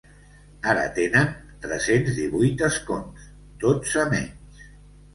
Ara tenen tres-cents divuit escons, dotze menys.